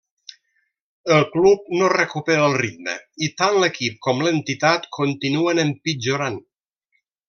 El club no recupera el ritme, i tant l'equip com l'entitat continuen empitjorant.